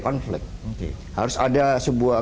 konflik harus ada sebuah